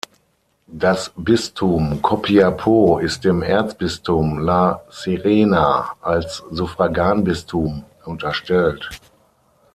Das Bistum Copiapó ist dem Erzbistum La Serena als Suffraganbistum unterstellt.